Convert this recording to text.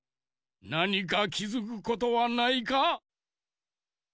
なにかきづくことはないか？